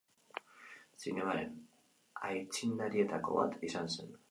Zinemaren aitzindarietako bat izan zen.